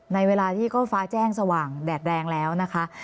ในเวลาที่ก็ฟ้าแจ้งสว่างแดดแรงแล้วนะคะ